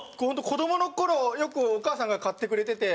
子供の頃よくお母さんが買ってくれてて。